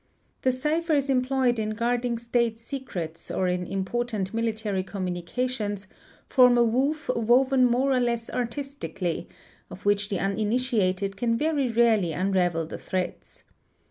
'The ciphers employed in guarding state secrets or in import ant military communications form a woof woven more or less artistically, of which the uninitiated can very rarely unravel the threads.